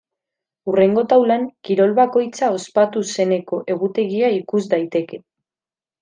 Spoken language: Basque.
Hurrengo taulan, kirol bakoitza ospatu zeneko egutegia ikus daiteke.